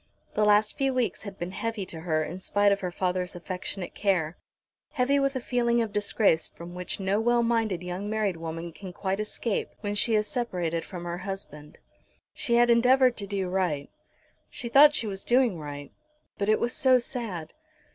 The last few weeks had been heavy to her in spite of her father's affectionate care, heavy with a feeling of disgrace from which no well minded young married woman can quite escape, when she is separated from her husband. She had endeavoured to do right. She thought she was doing right. But it was so sad!